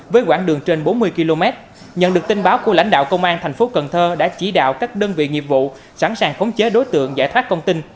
và lãnh đạo công an thành phố cần thơ đã chỉ đạo các đơn vị nghiệp vụ sẵn sàng khống chế đối tượng giải thoát con tin